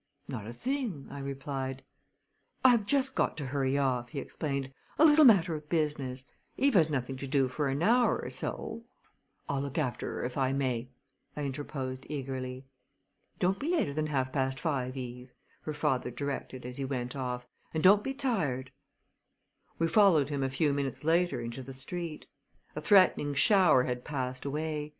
"Not a thing," I replied. "I have just got to hurry off," he explained; "a little matter of business. Eve has nothing to do for an hour or so " "I'll look after her if I may," I interposed eagerly. "Don't be later than half past five, Eve," her father directed as he went off, "and don't be tired." We followed him a few minutes later into the street. A threatening shower had passed away.